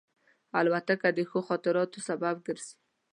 الوتکه د ښو خاطرو سبب ګرځي.